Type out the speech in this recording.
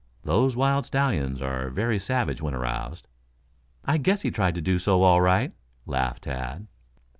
"Those wild stallions are very savage when aroused." "I guess he tried to do so all right," laughed Tad.